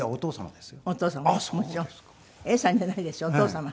永さんじゃないですよお父様。